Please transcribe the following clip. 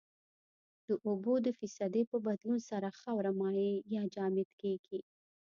د اوبو د فیصدي په بدلون سره خاوره مایع یا جامد کیږي